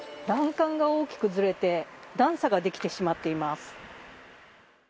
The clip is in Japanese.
欄干が大きくずれて段差ができてしまっています。